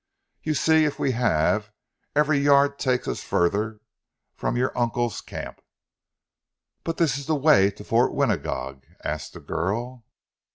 You see, if we have, every yard takes us further from your uncle's camp." "But this is the way to Fort Winagog?" asked the girl.